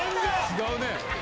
違うね。